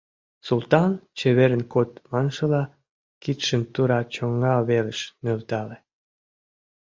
Султан, чеверын код маншыла, кидшым тура чоҥга велыш нӧлтале.